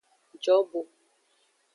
Jobo.